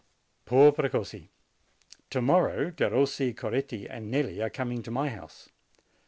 Poor Precossi ! To morrow Derossi, Coretti, and Nelli are coming to my house.